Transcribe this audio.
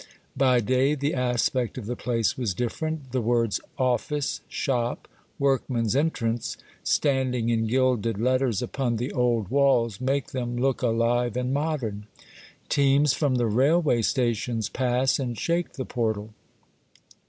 By day the aspect of the place was different. The words *' Officey Shop, Workman's Entrance^' standing in gilded letters upon the old walls, make them look alive and modern. Teams from the railway stations pass and shake the portal.